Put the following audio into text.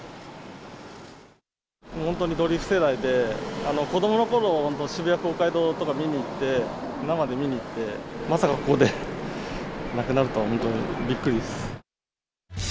本当にドリフ世代で、子どものころ、本当、渋谷公会堂とか見に行って、生で見に行って、まさかここで亡くなるとは、本当にびっくりです。